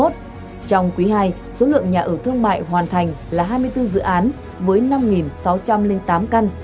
trong quý ii số lượng nhà ở thương mại hoàn thành là hai mươi bốn dự án với năm sáu trăm linh tám căn